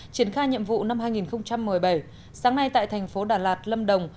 triển khai nhiệm vụ năm hai nghìn một mươi bảy sáng nay tại thành phố đà lạt lâm đồng